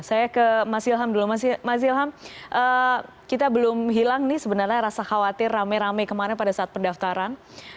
saya ke mas ilham dulu mas ilham kita belum hilang nih sebenarnya rasa khawatir rame rame kemarin pada saat pendaftaran